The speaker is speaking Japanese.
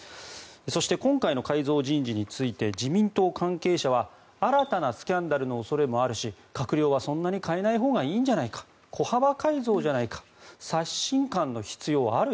そして今回の改造人事について自民党関係者は新たなスキャンダルの恐れもあるし閣僚はそんなに代えないほうがいいんじゃないか小幅改造じゃないか刷新感の必要ある？